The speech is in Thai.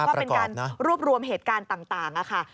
เป็นการรวบรวมเหตุการณ์ต่างนะครับ